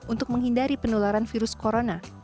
untuk menghindari penularan virus corona